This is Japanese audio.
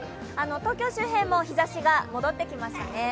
東京周辺も日ざしが戻ってきましたね。